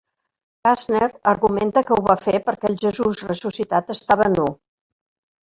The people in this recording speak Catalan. Kastner argumenta que ho va fer perquè el Jesús ressuscitat estava nu.